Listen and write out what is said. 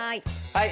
はい。